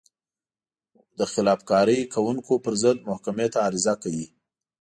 و د خلاف کارۍ کوونکو پر ضد محکمې ته عریضه کوي.